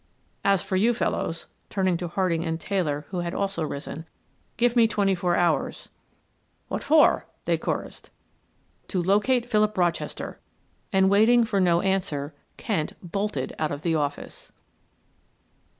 "As for you fellows," turning to Harding and Taylor who had also risen. "Give me twenty four hours " "What for?" they chorused. "To locate Philip Rochester," and waiting for no answer Kent bolted out of the office.